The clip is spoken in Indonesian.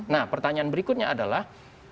nah pertanyaan berikutnya adalah